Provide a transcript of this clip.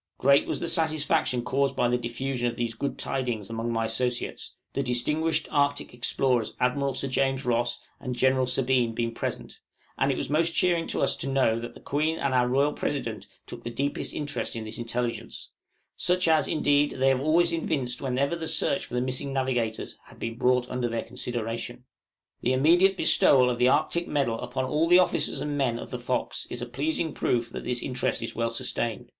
Great was the satisfaction caused by the diffusion of these good tidings among my associates (the distinguished Arctic explorers Admiral Sir James Ross and General Sabine being present); and it was most cheering to us to know, that the Queen and our Royal President took the deepest interest in this intelligence such as, indeed, they have always evinced whenever the search for the missing navigators has been brought under their consideration. The immediate bestowal of the Arctic medal upon all the officers and men of the 'Fox' is a pleasing proof that this interest is well sustained.